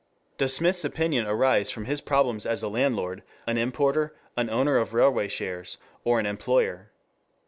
Does Smith's opinion arise from his problems as a landlord, an importer, an owner of railway shares, or an employer?